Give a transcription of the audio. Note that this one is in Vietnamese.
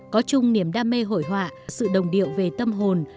có chung niềm đam mê hội họa sự đồng điệu về tâm hồn